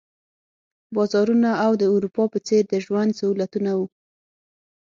بازارونه او د اروپا په څېر د ژوند سهولتونه وو.